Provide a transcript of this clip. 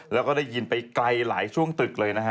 แล้วก็ได้ยินไปไกลหลายช่วงตึกเลยนะฮะ